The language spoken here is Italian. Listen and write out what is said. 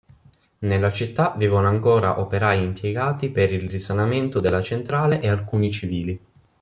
Nella città vivono ancora operai impiegati per il risanamento della centrale e alcuni civili.